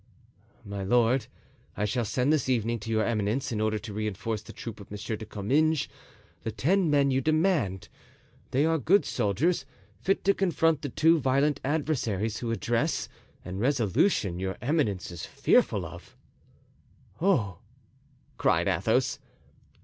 "My lord, I shall send this evening to your eminence in order to reinforce the troop of Monsieur de Comminges, the ten men you demand. They are good soldiers, fit to confront the two violent adversaries whose address and resolution your eminence is fearful of." "Oh!" cried Athos.